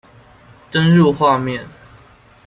登入畫面